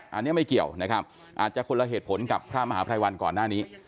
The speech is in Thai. อันนี้ไม่เกี่ยวนะครับอาจจะคนละเหตุผลกับพระมหาภัยวันก่อนหน้านี้